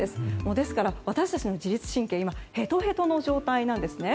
ですから、私たちの自律神経はヘトヘトの状況なんです。